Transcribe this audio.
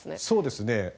そうですね